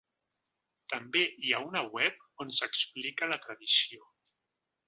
També hi ha una web on s’explica la tradició.